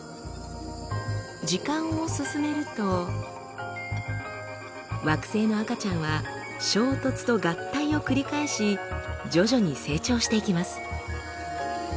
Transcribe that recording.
時間を進めると惑星の赤ちゃんは衝突と合体を繰り返し徐々に成長していきます。